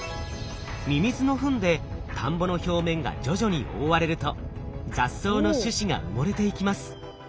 ミミズのフンで田んぼの表面が徐々に覆われると雑草の種子が埋もれていきます。